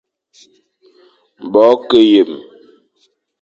Bo ke yeme,